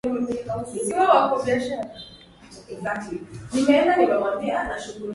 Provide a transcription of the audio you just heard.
kwa matumbawe ya baharini kutoka pwani na baadaye ukapanuliwa